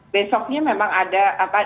besoknya memang ada